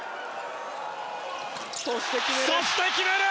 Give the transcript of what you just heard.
そして決める！